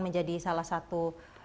menjadi salah satu